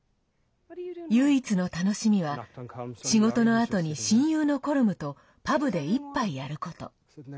唯一の楽しみは仕事のあとに親友のコルムとパブで一杯やること。